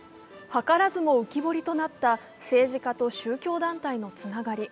はからずも浮き彫りとなった政治家と宗教団体のつながり。